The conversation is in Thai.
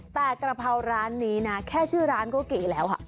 แต่กระเพราร้านนี้นะแค่ชื่อร้านก็เก๋แล้ว